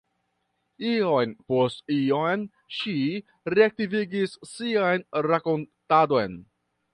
Iom post iom ŝi reaktivigis sian rakontadon: